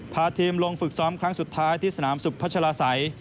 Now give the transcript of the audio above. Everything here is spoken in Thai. พาทีมลงฝึกซ้อมครั้งสุดท้ายที่สนามสุพัชลาศัย